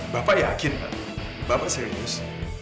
bapak yakin pak bapak serius